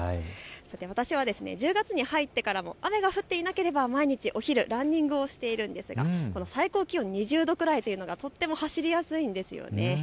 私は１０月に入ってからも雨が降っていなければ毎日、お昼にランニングをしていたんですが最高気温２０度くらいというのがとっても走りやすいんです。